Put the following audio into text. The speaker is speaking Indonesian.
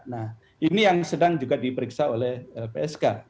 nah ini yang sedang juga diperiksa oleh lpsk